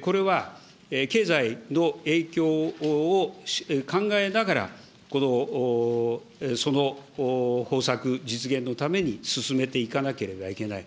これは経済の影響を考えながら、その方策実現のために進めていかなければいけない。